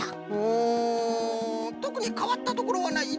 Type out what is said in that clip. うんとくにかわったところはない